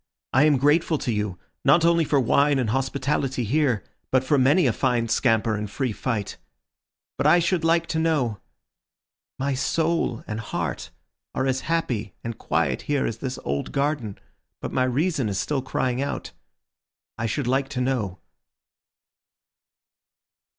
I am grateful to you, not only for wine and hospitality here, but for many a fine scamper and free fight. But I should like to know. My soul and heart are as happy and quiet here as this old garden, but my reason is still crying out. I should like to know."